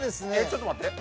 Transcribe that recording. ちょっと待って。